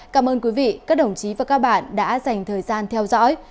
cảm ơn quý vị các đồng chí và các bạn đã dành thời gian theo dõi